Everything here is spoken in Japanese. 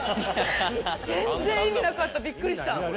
全然意味なかったびっくりした。